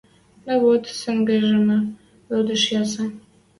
Дӓ вот сӹнгӹмӹ лӱдӹш ясы.